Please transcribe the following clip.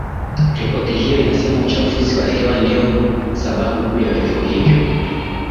ripoti hiyo inasema uchafuzi wa hewa ndio sababu kuu ya vifo hivyo